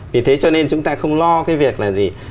vì thế cho nên chúng ta không lo cái việc là gì